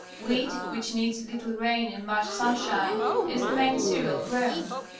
Wheat, which needs little rain and much sunshine, is the main cereal grown.